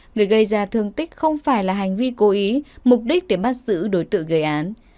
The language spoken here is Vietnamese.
người gây ra thương tích không phải là hành vi cố ý mục đích để bắt giữ đối tượng gây án